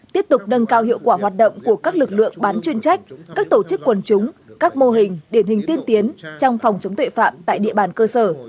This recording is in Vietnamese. tiếp tục nâng cao hiệu quả hoạt động của các lực lượng bán chuyên trách các tổ chức quần chúng các mô hình điển hình tiên tiến trong phòng chống tuệ phạm tại địa bàn cơ sở